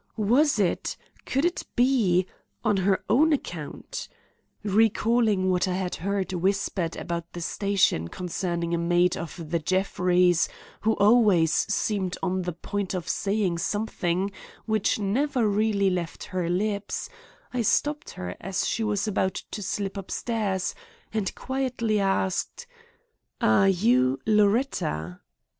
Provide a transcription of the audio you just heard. Was it—could it be, on her own account? Recalling what I had heard whispered about the station concerning a maid of the Jeffreys who always seemed on the point of saying something which never really left her lips, I stopped her as she was about to slip upstairs and quietly asked: "Are you Loretta?"